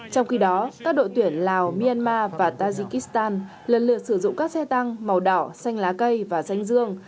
trong khi đó các đội tuyển lào myanmar và tajikistan lần lượt sử dụng các xe tăng màu đỏ xanh lá cây và danh dương